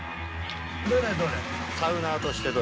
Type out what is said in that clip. どれどれ？